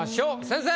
先生！